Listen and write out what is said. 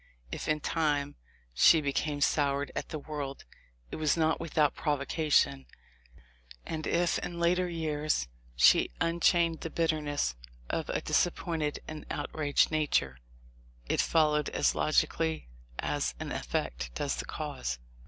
If, in time, she became soured at the world it was not without provocation, and if in later years she unchained the bitterness of a disappointed and outraged nature, it followed as logically as an effect does the cause.